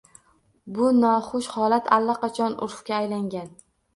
Bu noxush holat allaqachon urfga aylangan.